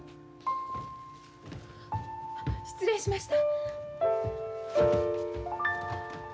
失礼しました。